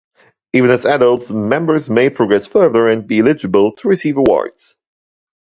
Even as adults, members may progress further and be eligible to receive awards.